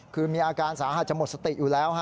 คือมีอาการสาหัสจะหมดสติอยู่แล้ว